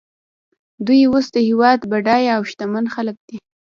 دوی اوس د هېواد بډایه او شتمن خلک دي